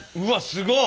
すごい。